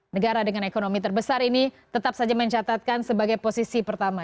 negara dengan ekonomi terbesar ini tetap saja mencatatkan sebagai posisi pertama